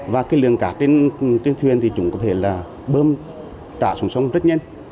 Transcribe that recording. và cái lường cát trên thuyền thì chúng có thể là bơm trả xuống sông rất nhanh